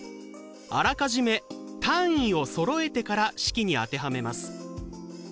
あらかじめ単位をそろえてから式に当てはめます。